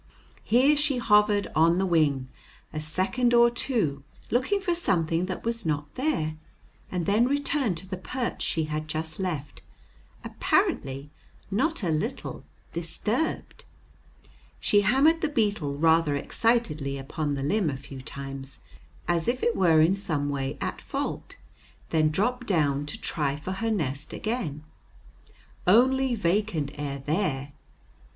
Here she hovered on the wing a second or two, looking for something that was not there, and then returned to the perch she had just left, apparently not a little disturbed. She hammered the beetle rather excitedly upon the limb a few times, as if it were in some way at fault, then dropped down to try for her nest again. Only vacant air there!